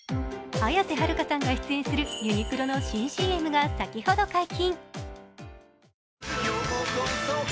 綾瀬はるかさんが出演するユニクロの新ＣＭが先ほど解禁。